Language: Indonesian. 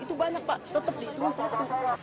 itu banyak pak tetap dihitung satu